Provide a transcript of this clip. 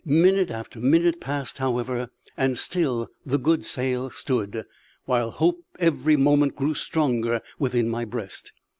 Minute after minute passed, however, and still the good sail stood, while hope every moment grew stronger within my breast.